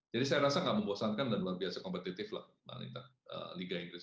jadi saya rasa nggak membosankan dan luar biasa kompetitif lah mbak anita liga inggris